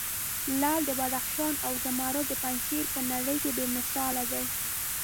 لعل د بدخشان او زمرود د پنجشیر په نړې کې بې مثال دي.